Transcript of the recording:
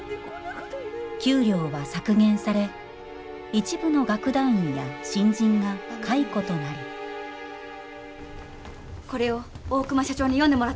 給料は削減され一部の楽団員や新人が解雇となりこれを大熊社長に読んでもらってください。